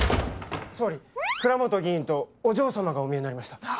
総理蔵本議員とお嬢様がお見えになりました。